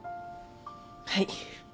はい。